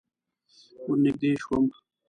ور نږدې شوم.